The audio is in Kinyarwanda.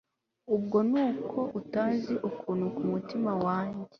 ubwo nuko utazi ukuntu kumutima wanjye